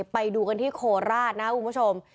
ไปดูกันที่โคราชนะครับคุณผู้ชม